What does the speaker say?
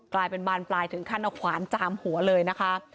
กลายเป็นบานปลายถึงขั้นเอาขวานจามหัวเลยนะคะ